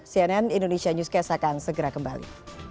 cnn indonesia newscast akan segera kembali